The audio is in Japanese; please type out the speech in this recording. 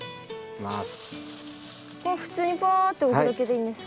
これは普通にパーッて置くだけでいいんですか？